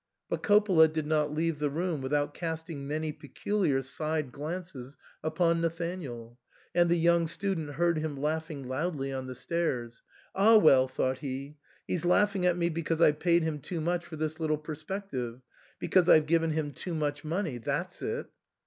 But Coppola did not leave the room with out casting many peculiar side glances upon Nathan ael ; and the young student heard him laughing loudly on the stairs. " Ah well !" thought he, " he's laugh ing at me because I've paid him too much for this little perspective — because I've given him too much money — that's it."